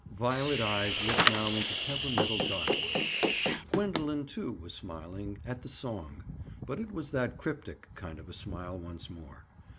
Violet eyes looked now into temperamental dark ones. Gwendoline, too, was smiling—at the song. But it was that cryptic kind of a smile once more.